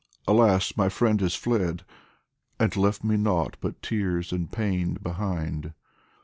alas, my friend has fled, And left me nought but tears and pain behind